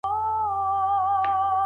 ميرمني د خاوند په وړاندي تريو تندی ونکړ.